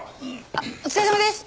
あっお疲れさまです！